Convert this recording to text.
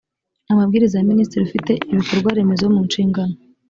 amabwiriza ya minisitiri ufite ibikorwaremezo mu nshingano